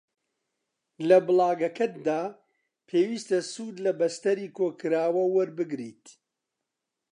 لە بڵاگەکەتدا پێویستە سوود لە بەستەری کۆکراوە وەربگریت